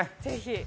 ぜひ。